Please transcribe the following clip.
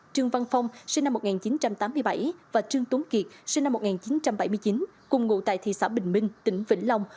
trương văn phong sinh năm một nghìn chín trăm tám mươi bảy và trương tuấn kiệt sinh năm một nghìn chín trăm bảy mươi chín cùng ngụ tại thị xã bình minh tỉnh vĩnh long